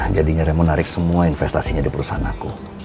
jadinya raymond narik semua investasinya di perusahaan aku